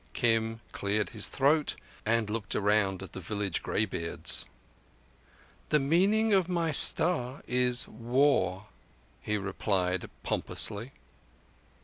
Kim cleared his throat and looked around at the village greybeards. "The meaning of my Star is War," he replied pompously.